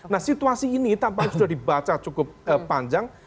nah situasi ini tampaknya sudah dibaca cukup panjang